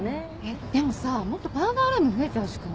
でもさもっとパウダールーム増えてほしくない？